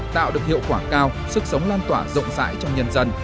tạo được hiệu quả cao sức sống lan tỏa rộng rãi trong nhân dân